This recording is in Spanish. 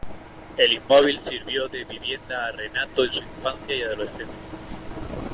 El inmóvil sirvió de vivienda a Renato en su infancia y adolescencia.